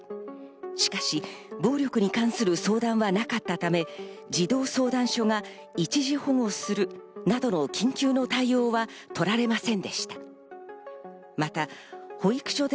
しかし暴力に関する相談はなかったため、児童相談所が一時保護するなどの緊急の対応は取られませんでした。